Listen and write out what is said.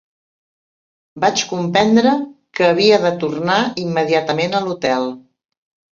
Vaig comprendre que havia de tornar immediatament a l’hotel